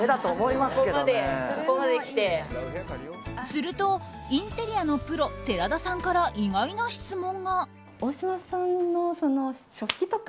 すると、インテリアのプロ寺田さんから意外な質問が。